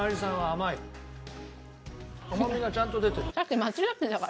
甘みがちゃんと出てる。